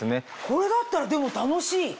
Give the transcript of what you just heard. これだったら楽しい！